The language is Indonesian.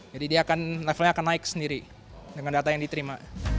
jadi dia akan levelnya akan naik sendiri dengan data yang diterima